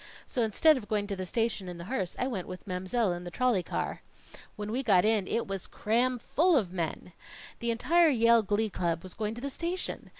So instead of going to the station in the hearse, I went with Mam'selle in the trolley car. When we got in, it was cram full of men. The entire Yale Glee Club was going to the station!